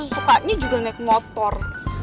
sukanya juga naik motor